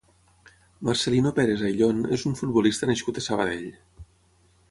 Marcelino Pérez Ayllón és un futbolista nascut a Sabadell.